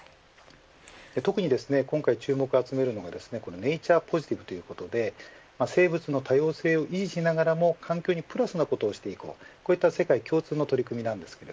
特に今回注目を集めるのがネイチャーポジティブということで生物の多様性に維持しながらも環境にプラスなことをしていくこういった世界共通の取り組みなんです。